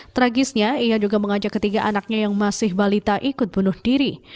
tragisnya ia juga mengajak ketiga anaknya yang masih balita ikut bunuh diri